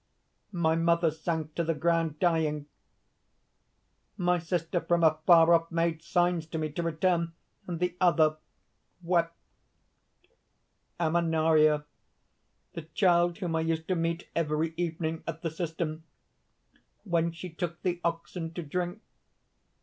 My mother sank to the ground, dying; my sister from afar off made signs to me to return; and the other wept, Ammonaria, the child whom I used to meet every evening at the cistern, when she took the oxen to drink.